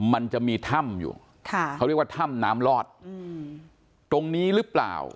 มันจะมีถ้ำอยู่ค่ะเขาเรียกว่าถ้ำน้ำลอดตรงนี้หรือเปล่า